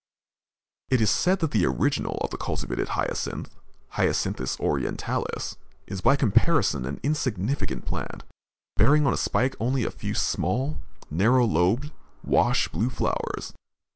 It is said that the original of the cultivated hyacinth (Hyacinthus orientalis) is by comparison an insignificant plant, bearing on a spike only a few small, narrow lobed, wash, blue flowers.